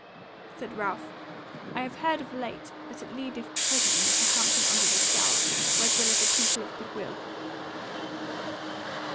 Said Ralph: "I have heard of late that it leadeth presently to Hampton under the Scaur, where dwelleth a people of goodwill."